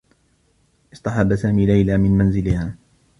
اصطحب سامي ليلى من منزلها.